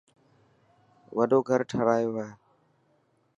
وڏو گهر ٺارايو هي.